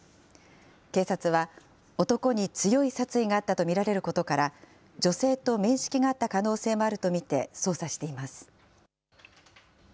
警察は、男に強い殺意があったと見られることから、女性と面識があった可能性もあると見て捜査しています。